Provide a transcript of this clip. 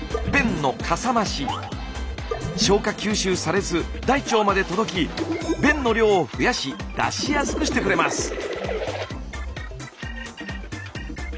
消化吸収されず大腸まで届き便の量を増やし出しやすくしてくれます。